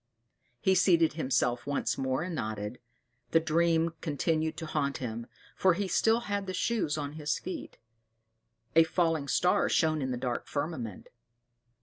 He seated himself once more and nodded: the dream continued to haunt him, for he still had the shoes on his feet. A falling star shone in the dark firmament.